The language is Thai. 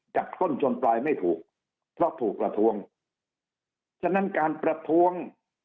ต้นชนปลายไม่ถูกเพราะถูกประท้วงฉะนั้นการประท้วง